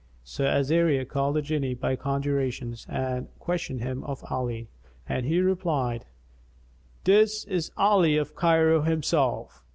So Azariah called a Jinni by conjurations and questioned him of Ali; and he replied, "'Tis Ali of Cairo himself.